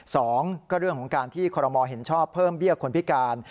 สองก็เรื่องของการที่คอรมอลเห็นชอบเพิ่มเบี้ยคนพิการ